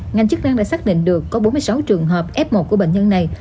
ngành chức năng đã xác định được có bốn mươi sáu trường hợp f một của bệnh nhân này